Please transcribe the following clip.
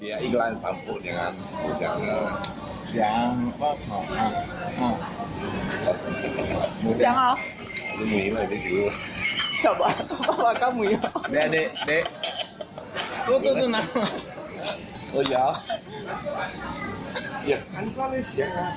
โอ้ยาอยากกันก็ไม่เซอร์ไพรส์